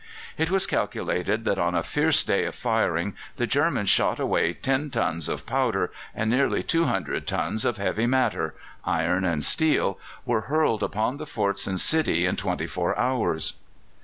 It was calculated that on a fierce day of firing the Germans shot away 10 tons of powder, and nearly 200 tons of heavy matter iron and steel were hurled upon the forts and city in twenty four hours.